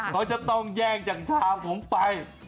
เขาจะต้องแย่งจากทางผมไป